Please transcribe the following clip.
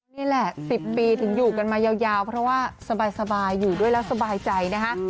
นี่แหละ๑๐ปีถึงอยู่กันมายาวเพราะว่าสบายอยู่ด้วยแล้วสบายใจนะคะ